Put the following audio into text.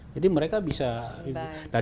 jadi mereka bisa